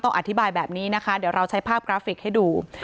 อธิบายแบบนี้นะคะเดี๋ยวเราใช้ภาพกราฟิกให้ดู